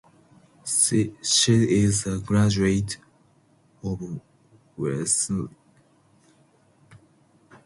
She is a graduate of Wesleyan University and Columbia University School of the Arts.